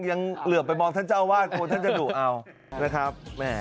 ยังเหลือไปมองท่านเจ้าวาดกลัวท่านจะดุเอานะครับ